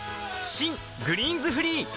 新「グリーンズフリー」